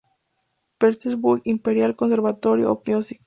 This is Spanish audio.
Petersburg Imperial Conservatory of Music.